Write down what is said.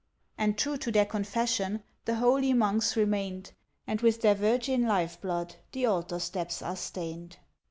And true to their confession The holy Monks remained, And with their virgin life blood The Altar steps are stained.